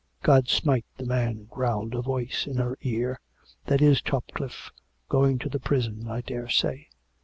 " God smite the man !" growled a voice in her ear. " That is Topcliffcj going to the prison, I daresay."